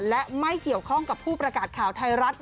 และไม่เกี่ยวข้องกับผู้ประกาศข่าวไทยรัฐ